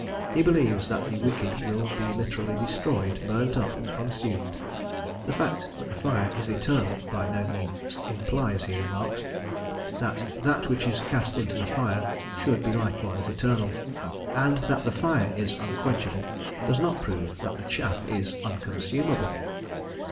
He believes that the wicked will be literally destroyed, burnt up, consumed; the fact that the fire is eternal by no means implies, he remarks, that that which is cast into the fire should be likewise eternal, and that the fire is unquenchable does not prove that the chaff is unconsumable.